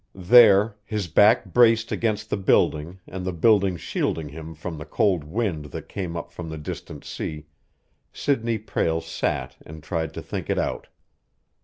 There, his back braced against the building and the building shielding him from the cold wind that came up from the distant sea, Sidney Prale sat and tried to think it out.